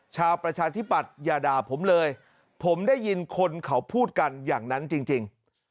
ประชาธิปัตย์อย่าด่าผมเลยผมได้ยินคนเขาพูดกันอย่างนั้นจริง